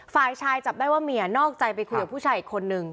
ฝ่ายชายจับได้ว่าเมียนอกใจไปคุยกับผู้ชายอีกคนนึง